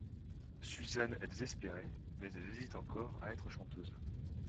Susanne est désespérée, mais elle hésite encore à être chanteuse.